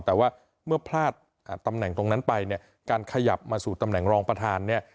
แต่เมื่อพลาดตำแหน่งตรงนั้นไปการขยับมาสู่ตำแหน่งรองประธาน